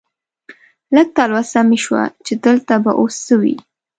لږه تلوسه مې شوه چې دلته به اوس څه وي.